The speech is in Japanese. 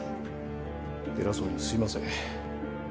偉そうですいません。